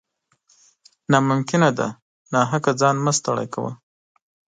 نا ممکنه ده ، ناحقه ځان مه ستړی کوه